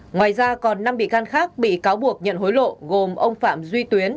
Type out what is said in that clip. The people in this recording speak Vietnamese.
ngoài ra còn năm bị can khác bị cáo buộc nhận hối lộ gồm ông phạm duy tuyến